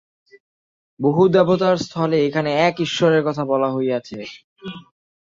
বহু দেবতার স্থলে এখানে এক ঈশ্বরের কথা বলা হইয়াছে।